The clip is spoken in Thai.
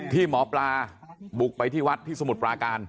ที่หมอปลาบุกไปที่วัดที่สมุทรปราการ